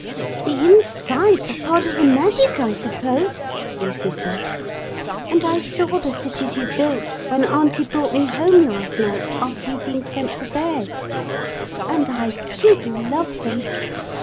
'The insides are part of the magic, I suppose,' Lucy said; 'and I saw the cities you built when Auntie brought me home last night, after you'd been sent to bed. And I did love them.